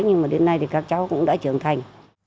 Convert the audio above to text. nhưng mà đến nay thì các cháu cũng đã trưởng thành